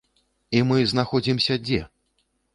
І мы знаходзімся дзе?